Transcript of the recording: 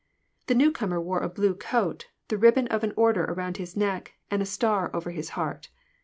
The new comer wore a blue coat, the ribbon of an order around his neck, and a star over his heart.